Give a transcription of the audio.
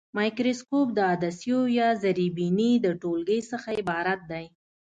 مایکروسکوپ د عدسیو یا زرې بیني د ټولګې څخه عبارت دی.